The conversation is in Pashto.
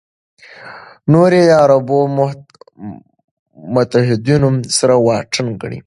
نور یې د عربو متحدینو سره واټن ګڼي.